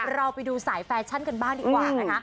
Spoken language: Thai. เราไปดูสายแฟชั่นกันบ้างดีกว่านะคะ